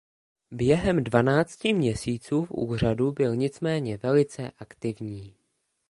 Během dvanácti měsíců v úřadu byl nicméně velice aktivní.